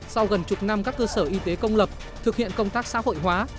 sau gần chục năm các cơ sở y tế công lập thực hiện công tác xã hội hóa